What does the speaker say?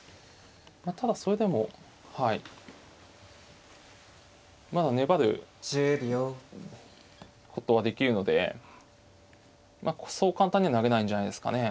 ただそれでもはいまだ粘ることはできるのでそう簡単には投げないんじゃないですかね。